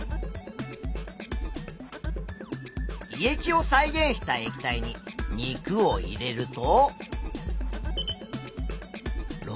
胃液を再現した液体に肉を入れると。